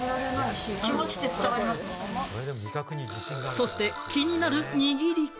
そして気になる握り方。